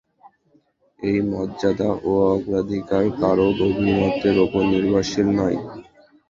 এই মর্যাদা ও অগ্রাধিকার কারো অভিমতের উপর নির্ভরশীল নয়।